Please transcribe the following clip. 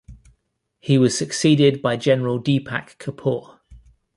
He was succeeded by General Deepak Kapoor.